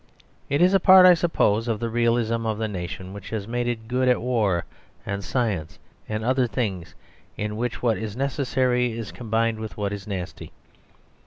It is a part, I suppose, of the realism of the nation which has made it good at war and science and other things in which what is necessary is combined with what is nasty.